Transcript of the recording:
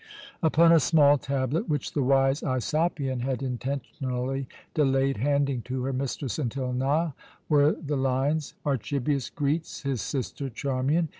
Upon a small tablet, which the wise Aisopion had intentionally delayed handing to her mistress until now, were the lines: "Archibius greets his sister Charmian.